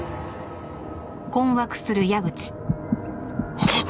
あっ！